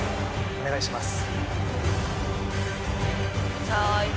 お願いします